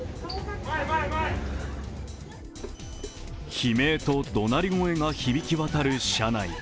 悲鳴と怒鳴り声が響きわたる車内。